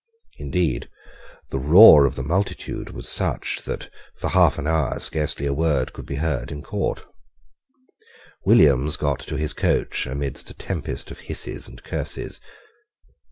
Indeed the roar of the multitude was such that, for half an hour, scarcely a word could be heard in court. Williams got to his coach amidst a tempest of hisses and curses.